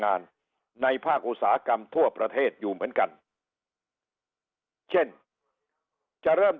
งานในภาคอุตสาหกรรมทั่วประเทศอยู่เหมือนกันเช่นจะเริ่ม